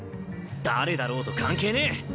誰だろうと関係ねえ！